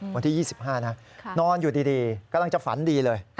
วันที่๒๕นะนอนอยู่ดีกำลังจะฝันดีเลย